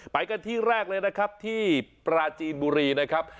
ไปกันที่แรกเลยนะครับที่ปราจีนบุรีนะครับ